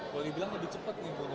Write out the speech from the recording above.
kalau dibilang lebih cepet nih bonusnya